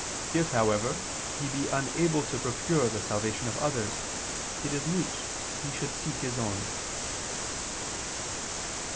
If, however, he be unable to procure the salvation of others it is meet he should seek his own."